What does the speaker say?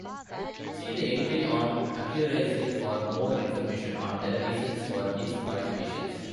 See the entry on accurizing for more information on the reasons for these modifications.